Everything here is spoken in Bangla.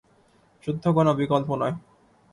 যুদ্ধ কোনো বিকল্প নয়।